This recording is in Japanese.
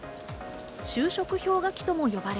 就職氷河期とも呼ばれ、